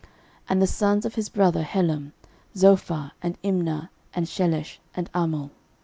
13:007:035 And the sons of his brother Helem; Zophah, and Imna, and Shelesh, and Amal.